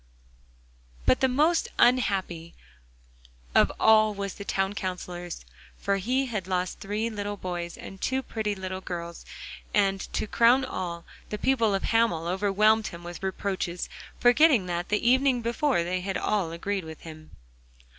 But the most unhappy of all was the Town Counsellor, for he lost three little boys and two pretty little girls, and to crown all, the people of Hamel overwhelmed him with reproaches, forgetting that the evening before they had all agreed with him.